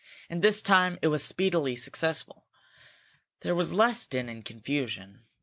And this time it was speedily successful. There was less din and confusion.